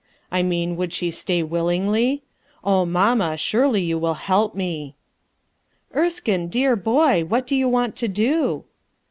I mean would she stay willingly ? Oh, mamma, surely you will help me I" " Erskine, dear boy, what do you want to do?"